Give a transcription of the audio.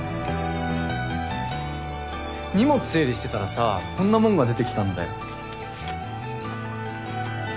荷物整理してたらさこんなもんが出てきたんだよ。